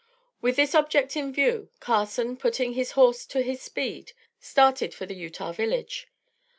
With this object in view, Carson, putting his horse to his speed, started for the Utah village.